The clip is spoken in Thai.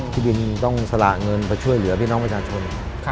พี่บินต้องสละเงินไปช่วยเหลือพี่น้องประชาชน